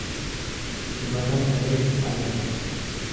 Himatan malee hin argatan.